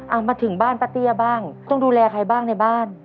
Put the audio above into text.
เอามาถึงบ้านป้าเตี้ยบ้างต้องดูแลใครบ้างในบ้าน